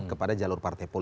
kepada jalur partai politik